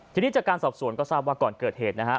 ทีนี้จากการสอบสวนก็ทราบว่าก่อนเกิดเหตุนะฮะ